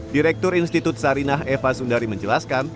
direktur institut sarinah eva sundari menjelaskan